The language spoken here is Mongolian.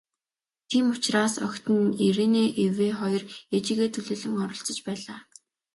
Тийм учраас охид нь, Ирене Эве хоёр ээжийгээ төлөөлөн оролцож байлаа.